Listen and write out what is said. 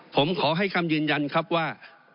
ผมขอให้คำยืนยันครับว่า